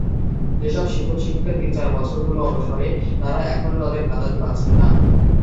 যেসব শিক্ষক-শিক্ষিকা তিন-চার বছর হলো অবসরে, তাঁরা এখনো তাঁদের ভাতাদি পাচ্ছেন না।